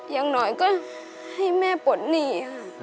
อย่างหน่อยก็ให้แม่ปลดหนี้ค่ะ